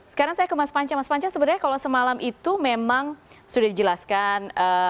sekarang saya ke mas panca mas panca sebenarnya kalau semalam itu memang sudah dijelaskan